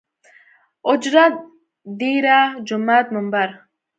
اوجره ، ديره ،جومات ،ممبر